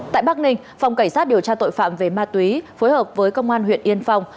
tại bắc ninh phòng cảnh sát điều tra tội phạm về ma túy phối hợp với công an huyện yên phong